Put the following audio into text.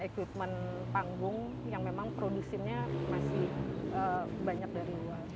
equipment panggung yang memang produsennya masih banyak dari luar